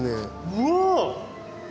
うわ！